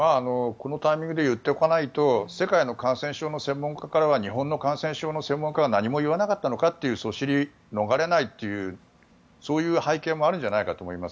このタイミングで言っておかないと世界の感染症の専門家からは日本の感染症の専門家は何も言わなかったというそしりを逃れないというそういう背景もあるんじゃないかと。